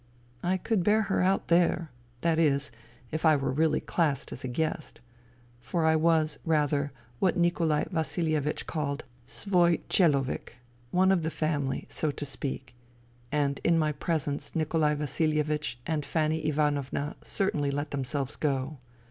I could bear her out there — that is, if I were really classed as a guest. For I was, rather, what Nikolai Vasilievich called " svoy chelovek,'^ one of the family, so to speak, and in my presence Nikolai Vasilievich and Fanny Ivanovna certainly let themselves go.